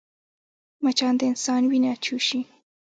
مچان د انسان وینه چوشي